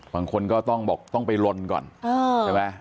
ฝั่งคนก็ต้องไปล้นก่อนใช่ไหม